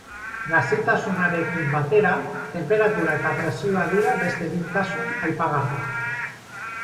Gazitasunarekin batera, tenperatura eta presioa dira beste bi tasun aipagarriak.